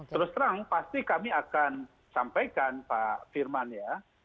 terus terang pasti kami akan sampaikan pak firman ya